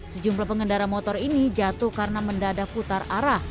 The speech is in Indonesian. sejumlah pengendara motor ini jatuh karena mendadak putar arah